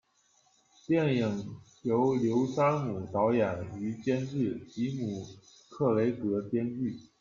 电影由刘山姆导演与监制，吉姆·克雷格编剧。